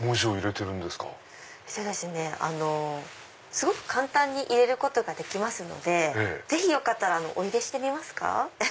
すごく簡単に入れることができますのでぜひよかったらお入れしてみますか？